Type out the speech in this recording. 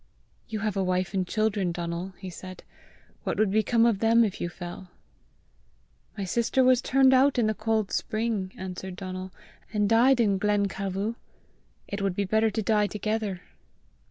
"You have a wife and children, Donal!" he said; "what would become of them if you fell?" "My sister was turned out in the cold spring," answered Donal, "and died in Glencalvu! It would be better to die together!"